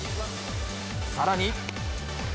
さらに。